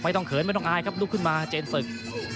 เขินไม่ต้องอายครับลุกขึ้นมาเจนศึก